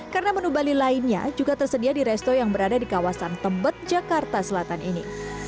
karena menu bali lainnya juga tersedia di resto yang berada di kawasan tembet jakarta selatan ini